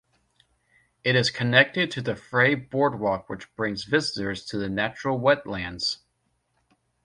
It is connected to the Frey Boardwalk which brings visitors to the natural wetlands.